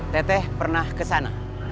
teteh pernah kesana